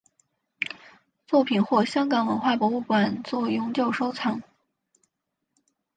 作品获香港文化博物馆作永久收藏。